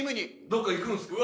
どっか行くんですか？